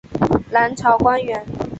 南朝官员。